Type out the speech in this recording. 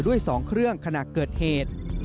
ด้วย๒เครื่องขณะเกิดเหตุ